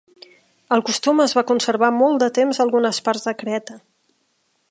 El costum es va conservar molt de temps a algunes parts de Creta.